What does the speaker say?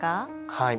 はい。